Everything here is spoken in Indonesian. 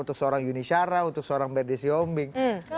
untuk seorang unisara untuk seorang badass yombing